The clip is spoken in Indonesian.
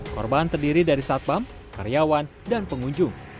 korban terdiri dari satpam karyawan dan pengunjung